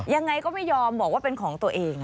ยังไงก็ไม่ยอมบอกว่าเป็นของตัวเอง